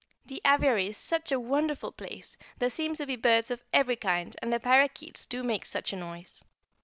The aviary is such a wonderful place, there seem to be birds of every kind, and the parrakeets do make such a noise.